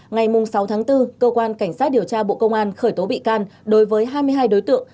ngày sáu tháng bốn cơ quan cảnh sát điều tra bộ công an khởi tố bị can đối với hai mươi hai đối tượng